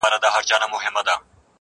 د سپي په غپ پسي مه ځه.